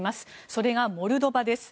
それがモルドバです。